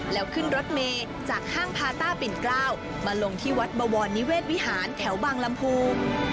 แล้วขึ้นรถเมย์จากห้างพาต้าปิ่นเกล้ามาลงที่วัดบวรนิเวศวิหารแถวบางลำพู